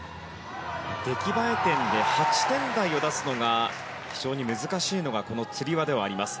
出来栄え点で８点台を出すのが非常に難しいのがこのつり輪ではあります。